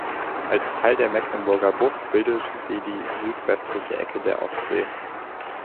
Als Teil der Mecklenburger Bucht bildet sie die „südwestliche Ecke“ der Ostsee.